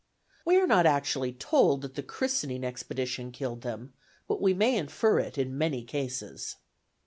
" We are not actually told that the christening expedition killed them, but we may infer it in many cases.